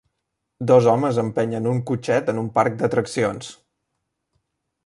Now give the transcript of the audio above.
Dos homes empenyen un cotxet en un parc d'atraccions.